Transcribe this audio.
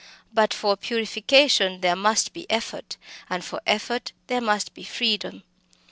But for purification there must be effort, and for effort there must be freedom.